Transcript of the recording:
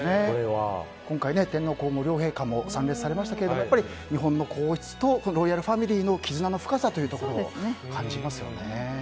今回、天皇・皇后両陛下も参列されましたけどもやっぱり日本の皇室とロイヤルファミリーの絆の深さというところも感じますよね。